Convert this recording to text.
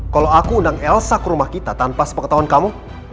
kalau aku undang elsa ke rumah kita tanpa sepengetahuan kamu